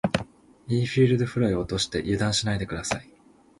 インフィールドフライを落として油断しないで下さい。